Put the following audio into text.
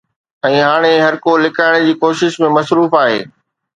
۽ هاڻي هرڪو لڪائڻ جي ڪوشش ۾ مصروف آهي